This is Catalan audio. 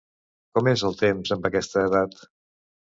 Com és el temps amb aquesta edat?